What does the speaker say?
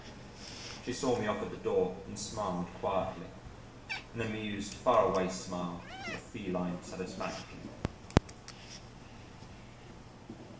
She saw me off at the door and smiled quietly an amused faraway smile of feline satisfaction....